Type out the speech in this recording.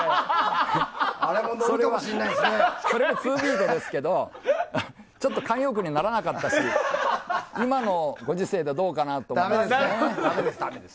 それもツービートですけど慣用句にはならなかったし今のご時世でどうかなと思ってね。